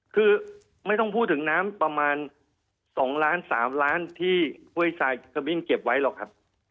คือไม่ต้องพูดถึงน้ำประมาณ๒ล้าน๓ล้านที่ห้วยทรายขมิ้นเก็บไว้หรอกครับ